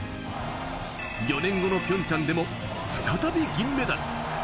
４年後のピョンチャンでも再び銀メダル。